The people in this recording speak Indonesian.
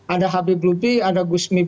ada habib lupi ada gus mipsah